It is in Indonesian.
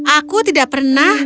aku tidak pernah